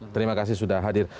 terima kasih sudah hadir